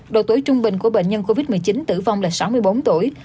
đối với trung bình của bệnh nhân covid một mươi chín tử vong là sáu mươi bốn tuổi